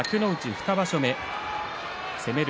２場所目攻める